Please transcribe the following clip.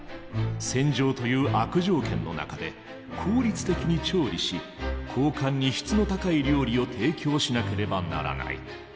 戦場という悪条件の中で効率的に調理し高官に質の高い料理を提供しなければならない。